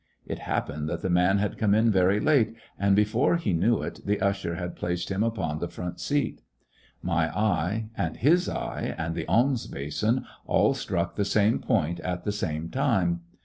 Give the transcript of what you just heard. It happened that the man had come in very late, and be fore he knew it the usher had placed him upon the front seat My eye and his eye and the alms basin all struck the same point at the same time.